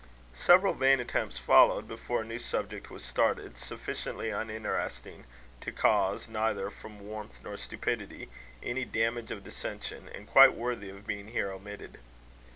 Several vain attempts followed, before a new subject was started, sufficiently uninteresting to cause, neither from warmth nor stupidity, any danger of dissension, and quite worthy of being here omitted.